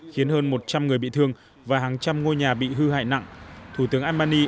khiến hơn một trăm linh người bị thương và hàng trăm ngôi nhà bị hư hại nặng thủ tướng albany